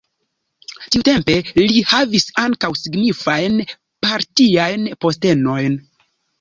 Tiutempe li havis ankaŭ signifajn partiajn postenojn.